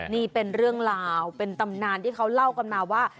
นี่เป็นเรื่องราวเป็นตำนานที่เขาเล่ากันมาว่า